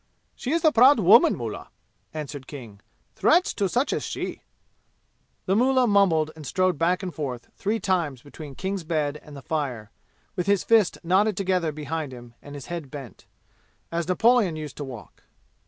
"She is a proud woman, mullah," answered King. "Threats to such as she ?" The mullah mumbled and strode back and forth three times between King's bed and the fire, with his fists knotted together behind him and his head bent, as Napoleon used to walk.